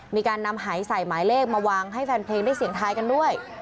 มีการนำหายใส่หมายเลขมาวางให้แฟนเพลงได้เสียงทายกันด้วย